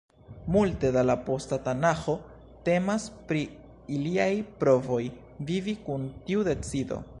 Multe da la posta Tanaĥo temas pri iliaj provoj vivi kun tiu decido.